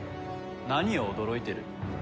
何を驚いてる？